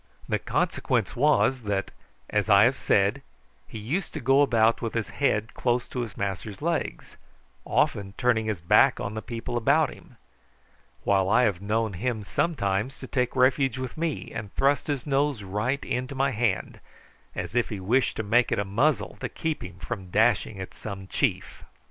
The consequence was that, as I have said, he used to go about with his head close to his master's legs, often turning his back on the people about him; while I have known him sometimes take refuge with me, and thrust his nose right into my hand, as if he wished to make it a muzzle to keep him from dashing at some chief.